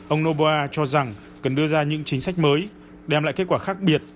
ông noboa cho rằng cần đưa ra những chính sách mới đem lại kết quả khác biệt